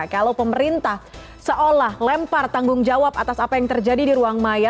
kalau pemerintah seolah lempar tanggung jawab atas apa yang terjadi di ruang maya